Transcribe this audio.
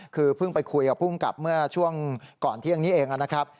คือเพิ่งไปคุยกับภูมิกับเมื่อช่วงก่อนเที่ยงนี้เองนะครับ